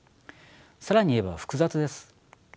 更に言えば複雑です。